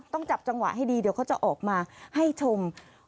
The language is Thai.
จับจังหวะให้ดีเดี๋ยวเขาจะออกมาให้ชม